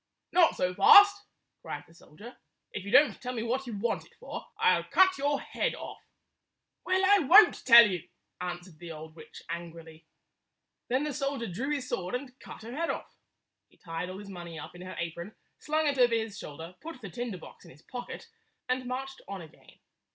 "Not so fast!" cried the soldier. "If you don't tell me what you want it for, I 'll cut your head off." "Well, I won't tell you," answered the old witch, angrily. Then the soldier drew his sword and cut her head off. He tied all his money up in her apron, slung it over his shoulder, put the tinder box in his pocket, and marched on again.